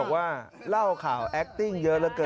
ว่าเล่าข่าวแอคติ้งเยอะเหลือเกิน